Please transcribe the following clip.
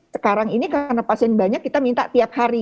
sekarang ini karena pasien banyak kita minta tiap hari